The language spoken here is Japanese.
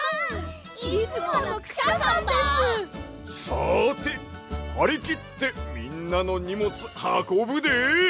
さてはりきってみんなのにもつはこぶで。